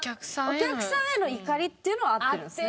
お客さんへの怒りっていうのは合ってるんですね。